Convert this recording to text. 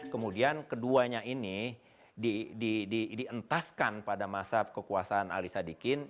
kemudian keduanya ini dientaskan pada masa kekuasaan ali sadikin